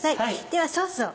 ではソースを。